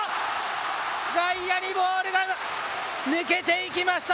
外野にボールが抜けていきました。